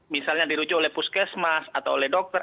misalnya dirujuk oleh puskesmas atau oleh dokter